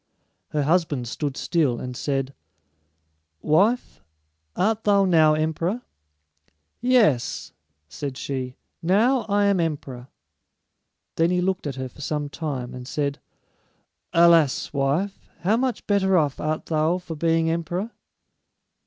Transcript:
Her husband stood still, and said, "Wife, art thou now emperor?" "Yes," said she; "now I am emperor." Then he looked at her for some time, and said, "Alas, wife, how much better off art thou for being emperor?"